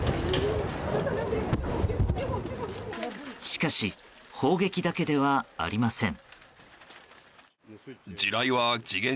しかし砲撃だけではありません。